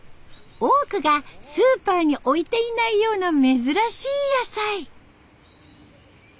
多くがスーパーに置いていないような珍しい野菜。